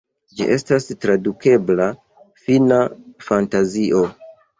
Ĝi estas tradukebla "Fina Fantazio".